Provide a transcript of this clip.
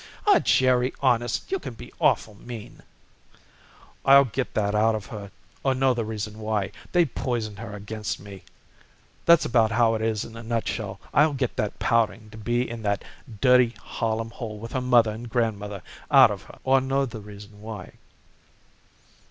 "Aw, Jerry, honest, you can be awful mean!" "I'll get that out of her or know the reason why. They've poisoned her against me, that's about how it is in a nutshell. I'll get that pouting to be in that dirty Harlem hole with her mother and grandmother out of her or know the reason why."